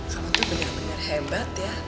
kamu tuh benar benar hebat ya